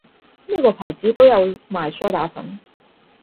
呢個牌子都有賣梳打粉